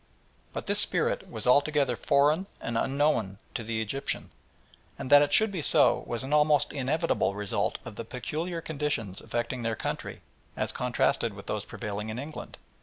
But this spirit was altogether foreign and unknown to the Egyptian, and that it should be so was an almost inevitable result of the peculiar conditions affecting their country as contrasted with those prevailing in England.